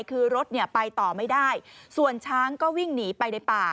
คือรถเนี่ยไปต่อไม่ได้ส่วนช้างก็วิ่งหนีไปในป่า